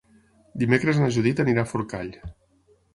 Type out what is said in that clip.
Dimecres na Judit anirà a Forcall.